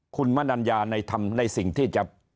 คุณมนัญญาในธรรมในสิ่งที่จะ